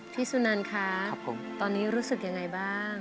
สุนันคะตอนนี้รู้สึกยังไงบ้าง